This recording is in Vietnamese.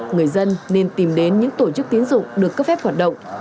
người dân nên tìm đến những tổ chức tiến dụng được cấp phép hoạt động